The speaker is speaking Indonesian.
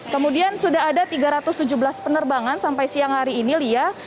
kemudian sudah ada tiga ratus tujuh belas penerbangan sampai siang hari ini lia